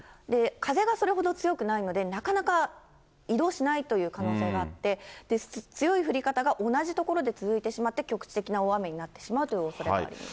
風がそれほど強くないので、なかなか移動しないという可能性があって、強い降り方が同じ所で続いてしまって、局地的な大雨になってしまうというおそれがあります。